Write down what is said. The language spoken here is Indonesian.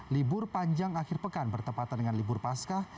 libur panjang akhir pekan bertepatan dengan libur pascah